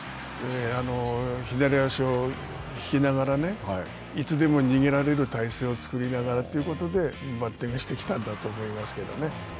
左足を引きながらね、いつでも逃げられる体勢を作りながらということでバッティングしてきたんだ